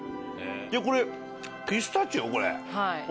これピスタチオ？はい。